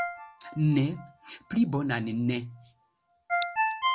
Ne, pli bonan ne!